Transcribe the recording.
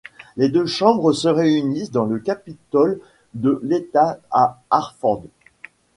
Les deux chambres se réunissent dans le capitole de l'État à Hartford.